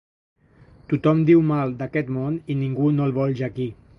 Tothom diu mal d'aquest món i ningú no el vol jaquir.